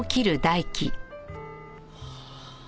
はあ。